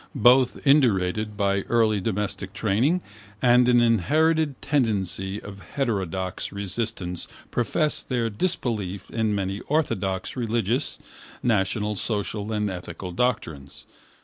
Both indurated by early domestic training and an inherited tenacity of heterodox resistance professed their disbelief in many orthodox religious, national, social and ethical doctrines.